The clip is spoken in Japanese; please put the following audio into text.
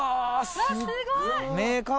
すごい！